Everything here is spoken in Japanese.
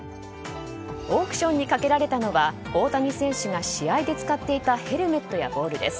オークションにかけられたのは大谷選手が試合で使っていたヘルメットやボールです。